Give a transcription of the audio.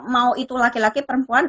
mau itu laki laki perempuan